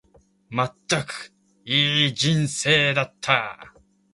まったく、いい人生だった。